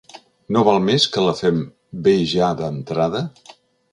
No val més que la fem bé ja d’entrada?